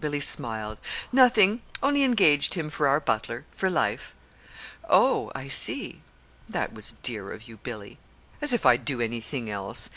Billy smiled. "Nothing only engaged him for our butler for life." "Oh, I see. That was dear of you, Billy." "As if I'd do anything else!